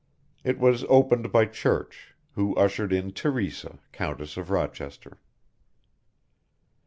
It was opened by Church, who ushered in Teresa, Countess of Rochester.